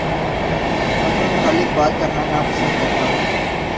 اپنے متعلق بات کرنا نا پسند کرتا ہوں